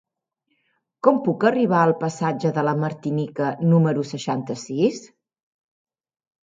Com puc arribar al passatge de la Martinica número seixanta-sis?